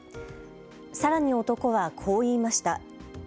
さらに男はこう言いました。